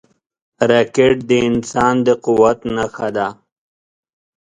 راکټ د انسان د قوت نښه ده